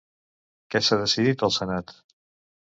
Què s'ha decidit al senat?